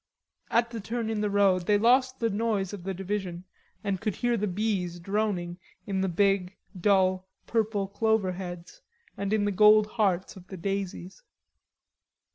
At the turn in the road they lost the noise of the division and could hear the bees droning in the big dull purple cloverheads and in the gold hearts of the daisies.